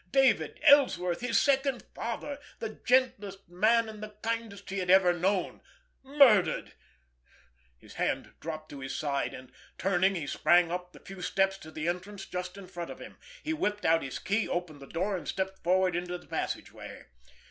David Ellsworth, his second father, the gentlest man and the kindest he had ever known—murdered! His hand dropped to his side, and, turning, he sprang up the few steps to the entrance just in front of him. He whipped out his key, opened the door, and stepped forward into the passageway.